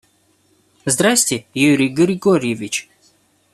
Здрасте, Юрий Григорьевич.